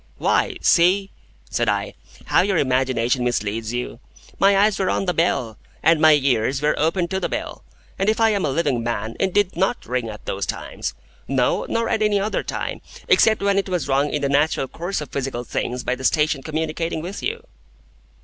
"Why, see," said I, "how your imagination misleads you. My eyes were on the bell, and my ears were open to the bell, and if I am a living man, it did NOT ring at those times. No, nor at any other time, except when it was rung in the natural course of physical things by the station communicating with you."